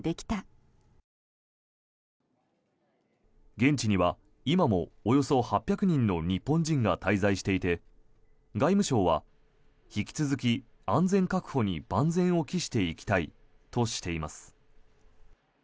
現地には今もおよそ８００人の日本人が滞在していて外務省は引き続き安全確保に万全を期していきたいとしています。